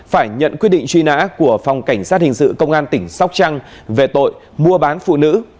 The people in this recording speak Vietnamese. phải nhận quyết định truy nã của phòng cảnh sát hình sự công an tỉnh sóc trăng về tội mua bán phụ nữ